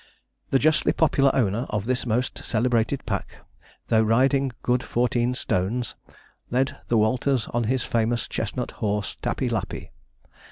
The justly popular owner of this most celebrated pack, though riding good fourteen stones, led the Walters on his famous chestnut horse Tappy Lappey.